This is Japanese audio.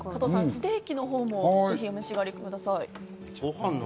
ステーキのほうもお召し上がりください。